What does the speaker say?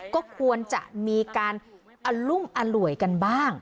ก็ควรจะมีการอรุ่งอร่วยกันบ้าง